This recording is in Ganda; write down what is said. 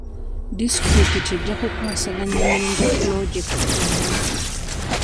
Disitulikiti ejja kukwasaganya emirimu gya pulojeketi gyonna.